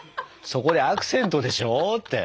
「そこでアクセントでしょ」って。